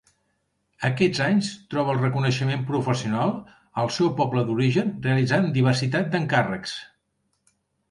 Aquests anys troba el reconeixement professional al seu poble d'origen realitzant diversitat d'encàrrecs.